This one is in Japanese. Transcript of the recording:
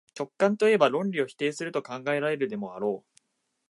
直観といえば論理を拒否すると考えられるでもあろう。